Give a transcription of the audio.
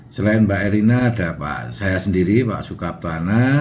selain mbak erina ada pak saya sendiri pak sukaptana